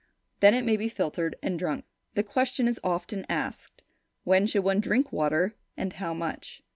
Then it may be filtered and drunk. The question is often asked, "When should one drink water, and how much?"